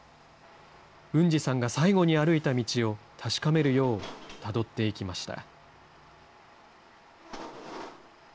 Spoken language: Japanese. ウンジさんが最後に歩いた道を確かめるようたどっていきました。